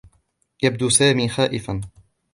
يبدو سامي خائفا.